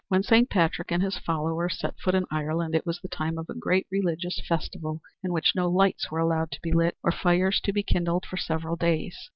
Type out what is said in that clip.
When Saint Patrick and his followers set foot in Ireland it was the time of a great religious festival in which no lights were allowed to be lit or fires to be kindled for several days.